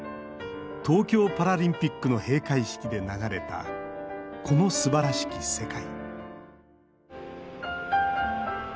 東京パラリンピックの閉会式で流れた「この素晴らしき世界」。